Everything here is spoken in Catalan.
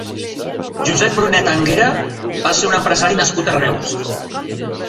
Josep Brunet Anguera va ser un empresari nascut a Reus.